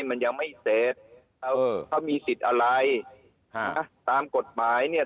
มันยังไม่เสร็จเขาเขามีสิทธิ์อะไรฮะตามกฎหมายเนี่ย